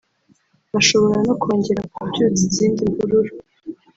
bashobora no kongera kubyutsa izindi mvururu